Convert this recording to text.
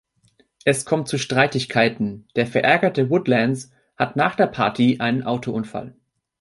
Es kommt zu Streitigkeiten, der verärgerte Woodlands hat nach der Party einen Autounfall.